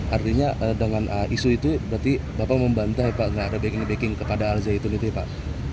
artinya dengan isu itu berarti bapak membantah pak nggak ada backing backing kepada al zaitun itu ya pak